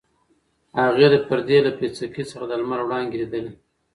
هغې د پردې له پیڅکې څخه د لمر وړانګې لیدلې.